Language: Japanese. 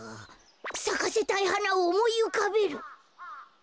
さかせたいはなをおもいうかべる！